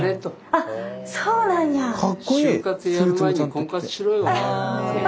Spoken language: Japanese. あっそうなんや。